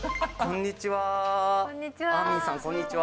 こんにちは。